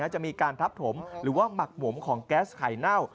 จะมีการทับถมหรือว่าหมักหมมของแก๊สไข่เน่า